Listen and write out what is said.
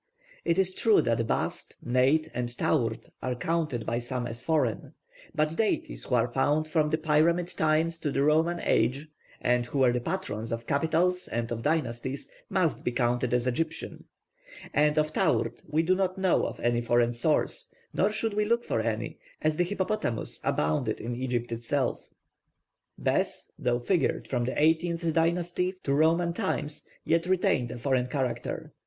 It is true that Bast, Neit, and Taurt are counted by some as foreign; but deities who are found from the pyramid times to the Roman age, and who were the patrons of capitals and of dynasties, must be counted as Egyptian; and of Taurt we do not know of any foreign source, nor should we look for any, as the hippopotamus abounded in Egypt itself. +Bēs+, though figured from the eighteenth dynasty to Roman times, yet retained a foreign character.